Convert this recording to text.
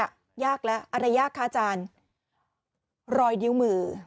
ยากแล้วอะไรยากคะอาจารย์รอยนิ้วมือ